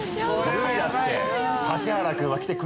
無理だって。